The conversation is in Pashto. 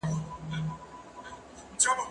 زه به ونې ته اوبه ورکړې وي!.